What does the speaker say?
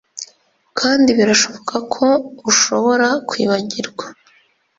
kandi birashoboka ko ushobora kwibagirwa.